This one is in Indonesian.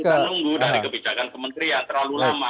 kita nunggu dari kebijakan kementerian terlalu lama